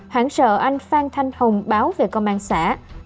hẳn sợ anh phan thanh hùng báo về công an xã